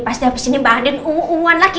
pasti abis ini mbak andien umuan umuan lagi